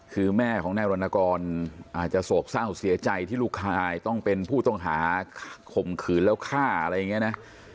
คือแม่ของนายรณกรอาจจะโศกเศร้าเสียใจที่ลูกคายต้องเป็นผู้ต้องหาข่มขืนแล้วฆ่าอะไรอย่างนี้นะ